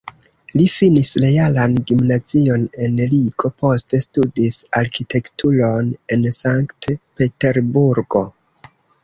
Li finis realan gimnazion en Rigo, poste studis arkitekturon en Sankt-Peterburgo.